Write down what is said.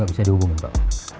gak bisa dihubungin pak